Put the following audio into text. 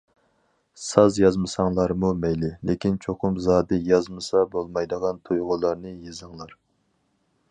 ساز يازمىساڭلارمۇ مەيلى، لېكىن چوقۇم زادى يازمىسا بولمايدىغان تۇيغۇلارنى يېزىڭلار.